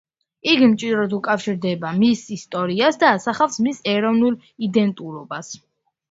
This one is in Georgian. იგი მჭიდროდ უკავშირდება მის ისტორიას და ასახავს მის ეროვნულ იდენტურობას.